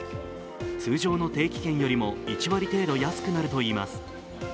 通常の定期券よりも１割程度安くなるといいます。